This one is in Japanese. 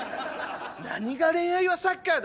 何が「恋愛はサッカー」だ！